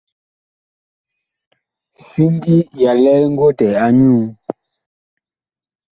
Siŋgi ya lɛl ngotɛ a nyuú.